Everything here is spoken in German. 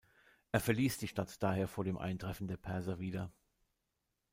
Er verließ die Stadt daher vor dem Eintreffen der Perser wieder.